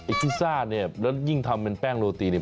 พิซซ่าเนี่ยแล้วยิ่งทำเป็นแป้งโรตีเนี่ย